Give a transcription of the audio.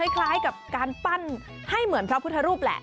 คล้ายกับการปั้นให้เหมือนพระพุทธรูปแหละ